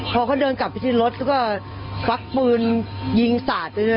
พอเขาเดินกลับไปที่รถก็ฟักปืนยิงสัตว์เลยนะ